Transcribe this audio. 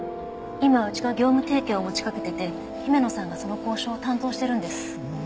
今うちが業務提携を持ちかけてて姫野さんがその交渉を担当してるんです。